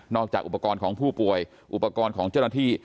จากอุปกรณ์ของผู้ป่วยอุปกรณ์ของเจ้าหน้าที่